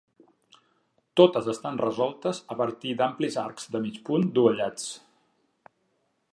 Totes estan resoltes a partir d'amplis arcs de mig punt dovellats.